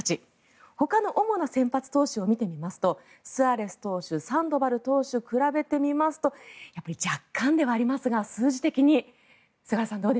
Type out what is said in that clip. ほかの主な先発投手を見てみますとスアレス投手サンドバル投手比べてみますとやっぱり若干ではありますが数字的に菅原さん